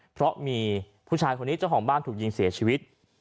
เพราะมีผู้ชายคนนี้เจ้าของบ้านถูกยิงเสียชีวิต